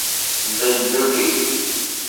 Djibouti